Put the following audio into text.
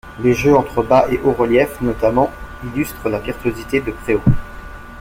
Les jeux entre bas et haut-relief notamment illustrent la virtuosité de Préault.